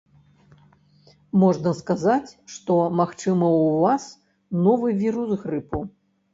Можна сказаць, што, магчыма, ў вас новы вірус грыпу.